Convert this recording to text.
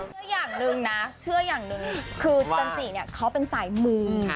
เชื่ออย่างหนึ่งนะเชื่ออย่างหนึ่งคือจันจิเนี่ยเขาเป็นสายมู